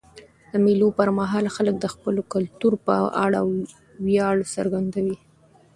د مېلو پر مهال خلک د خپل کلتور په اړه ویاړ څرګندوي.